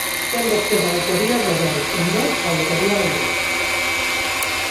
Ten vostede a autoría do ben e nós a autoría do mal.